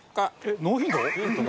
えっノーヒント？